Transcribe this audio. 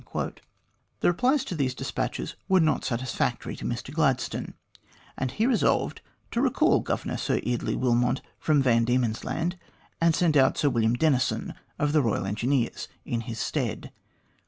The replies to these despatches were not satisfactory to Mr Gladstone, and he resolved to recall Governor Sir Eardley Wilmot from Van Diemen's Land and send out Sir William Denison, of the Koyal Engineers, in his stead.